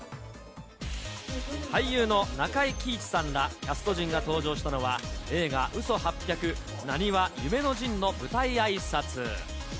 俳優の中井貴一さんらキャスト陣が登場したのは、映画、嘘八百なにわ夢の陣の舞台あいさつ。